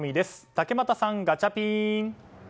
竹俣さん、ガチャピン！